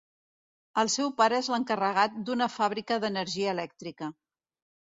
El seu pare és l'encarregat d'una fàbrica d'energia elèctrica.